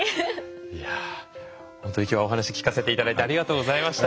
いや本当に今日はお話聞かせて頂いてありがとうございました。